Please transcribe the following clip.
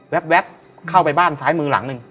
แป๊บเข้าไปบ้านซ้ายมือหลังหนึ่ง